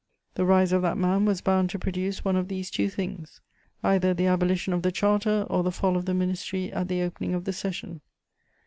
The rise of that man was bound to produce one of these two things: either the abolition of the Charter or the fall of the ministry at the opening of the session.